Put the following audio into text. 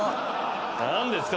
何ですか？